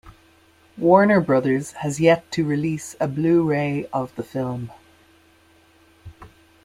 Warner Brothers has yet to release a Blu-ray of the film.